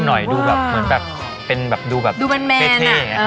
เหมือนแบบดูแบบเท่